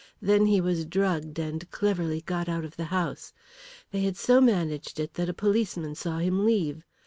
Then he was drugged and cleverly got out of the house. They had so managed it that a policeman saw him leave.